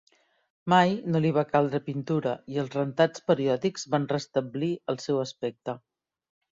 Mai no va li va caldre pintura i els rentats periòdics van restablir el seu aspecte.